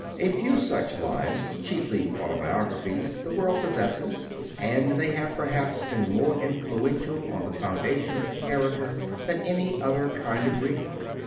"A few such lives (chiefly autobiographies) the world possesses, and they have, perhaps, been more influential on the formation of character than any other kind of reading....